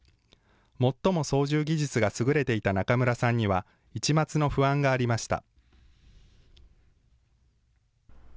最も操縦技術が優れていた中村さんには、一抹の不安がありました。